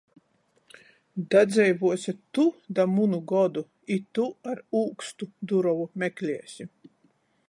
Dadzeivuosi tu da munu godu, i tu ar ūkstu durovu mekliesi!